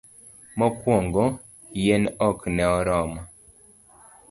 mokuongo. yien ok ne oromo